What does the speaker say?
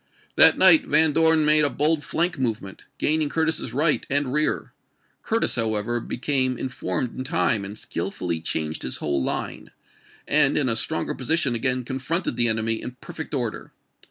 That night Van Dorn made a bold flank movement, gaining Curtis's right and rear. Curtis, however, became informed in time, and skillfully changed his whole line, and in a stronger position again confronted the enemy in perfect order.